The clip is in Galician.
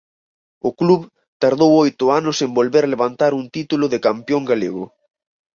O club tardou oito anos en volver levantar un título de campión galego.